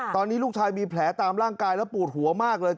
ตอนนี้ลูกชายมีแผลตามร่างกายและปวดหัวมากเลย